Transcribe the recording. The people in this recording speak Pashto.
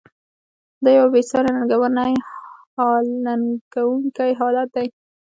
دا یوه بې ساري ننګونکی حالت دی.